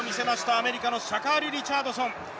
アメリカのシャカリ・リチャードソン。